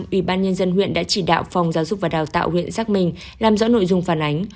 ủy ban nhân dân huyện đã chỉ đạo phòng giáo dục và đào tạo huyện xác minh làm rõ nội dung phản ánh